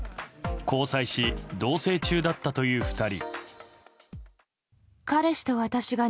交際し、同棲中だったという２人。